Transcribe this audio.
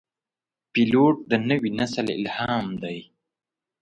پیلوټ د نوي نسل الهام دی.